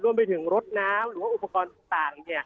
รวมไปถึงรถน้ำหรือว่าอุปกรณ์ต่าง